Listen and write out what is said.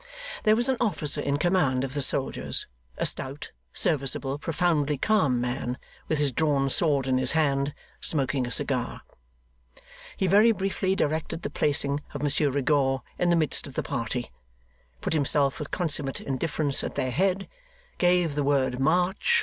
There was an officer in command of the soldiers; a stout, serviceable, profoundly calm man, with his drawn sword in his hand, smoking a cigar. He very briefly directed the placing of Monsieur Rigaud in the midst of the party, put himself with consummate indifference at their head, gave the word 'march!